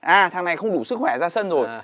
à thằng này không đủ sức khỏe ra sân rồi